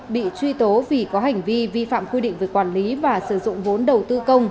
bị truy tố vì có hành vi vi phạm quy định về quản lý và sử dụng vốn đầu tư công